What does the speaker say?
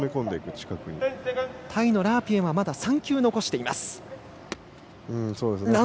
タイのラープイェンは３球残しています。